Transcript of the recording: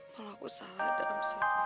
kalau aku salah dalam sehari